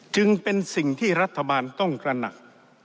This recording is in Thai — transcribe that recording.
จึงเป็นสิ่งที่รัฐบาลต้องตระหนัก